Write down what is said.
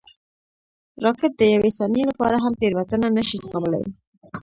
راکټ د یوې ثانیې لپاره هم تېروتنه نه شي زغملی